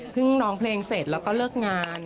ร้องเพลงเสร็จแล้วก็เลิกงาน